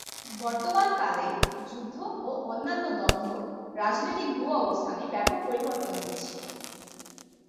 বর্তমান কালে, যুদ্ধ ও অন্যান্য দ্বন্দ্ব রাজনৈতিক ভূ-অবস্থানে ব্যাপক পরিবর্তন এনেছে।